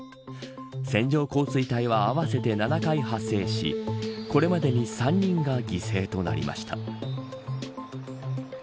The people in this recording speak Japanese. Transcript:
線状降水帯は合わせて７回発生しこれまでに３人が犠牲となりました。